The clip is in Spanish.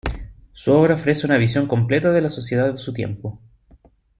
Su obra ofrece una visión completa de la sociedad de su tiempo.